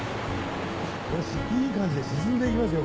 いい感じで沈んでいきますよ